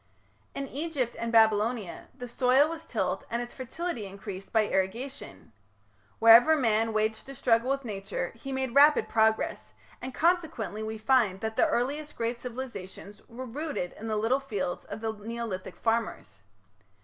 In Egypt and Babylonia the soil was tilled and its fertility increased by irrigation. Wherever man waged a struggle with Nature he made rapid progress, and consequently we find that the earliest great civilizations were rooted in the little fields of the Neolithic farmers.